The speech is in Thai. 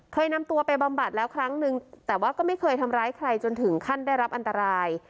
เคยนำตัวไปบำบัดแล้วครั้งนึงแต่ว่าก็ไม่เคยทำร้ายใครจนถึงขั้นได้รับอันตราย